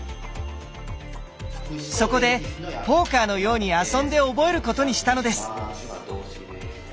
そこでポーカーのように遊んで覚えることにしたのです。